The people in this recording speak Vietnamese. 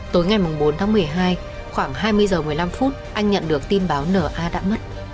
tối ngày bốn tháng một mươi hai khoảng hai mươi h một mươi năm anh nhận được tin báo n a đã mất